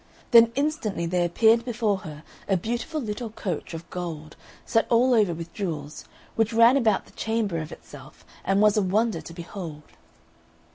than instantly there appeared before her a beautiful little coach of gold set all over with jewels, which ran about the chamber of itself and was a wonder to behold.